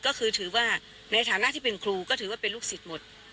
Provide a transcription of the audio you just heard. ก็คือถือว่าในฐานะที่เป็นครูก็ถือว่าเป็นลูกศิษย์หมด